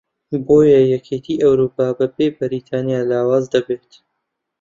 بۆیە یەکێتی ئەوروپا بەبێ بەریتانیا لاواز دەبێت